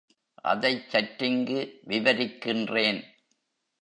அதைச் சற்றிங்கு விவரிக்கின்றேன்.